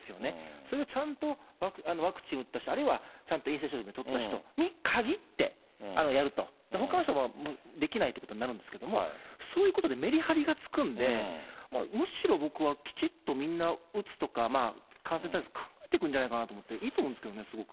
それをちゃんと、ワクチンを打った人、あるいはちゃんと陰性証明を取った人に限ってやると、ほかの人はできないということになるんですけれども、そういうことでめりはりがつくんで、むしろ僕はきちっとみんな打つとか、感染対策、考えていくんじゃないかと思って、いいと思うんですけどね、すごく。